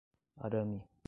Arame